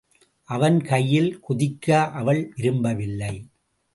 அவன் கையில் குதிக்க அவள் விரும்பவில்லை.